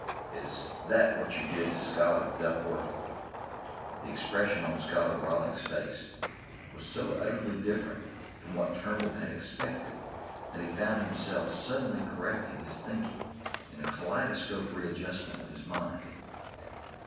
Is that what you did to Scholar Duckworth?" The expression on Scholar Rawling's face was so utterly different from what Turnbull had expected that he found himself suddenly correcting his thinking in a kaleidoscopic readjustment of his mind.